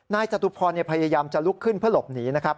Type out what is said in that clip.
จตุพรพยายามจะลุกขึ้นเพื่อหลบหนีนะครับ